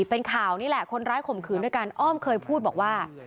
เป็นข่าวนี่แหละคนร้ายข่มขืนด้วยกันอ้อมเคยพูดบอกว่า